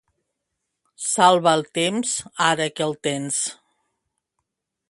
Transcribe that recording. Salva el temps ara que el tens.